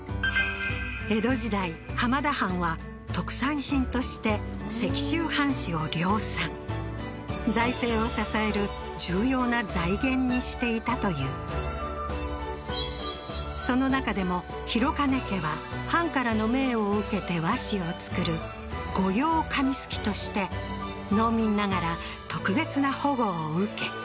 江戸時代浜田藩は特産品として石州半紙を量産財政を支える重要な財源にしていたというその中でも廣兼家は藩からの命を受けて和紙を作る御用紙漉として農民ながら特別な保護を受け